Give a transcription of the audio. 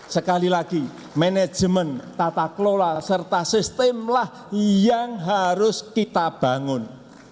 sekali lagi manajemen tata kelola serta sistemlah yang harus kita bangun